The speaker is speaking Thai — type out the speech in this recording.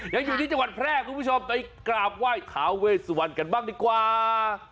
ยังอยู่ที่จังหวัดแพร่คุณผู้ชมไปกราบไหว้ทาเวสวันกันบ้างดีกว่า